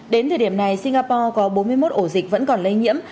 đến thời điểm này singapore có bốn mươi một ổ dịch vẫn còn lây nhiễm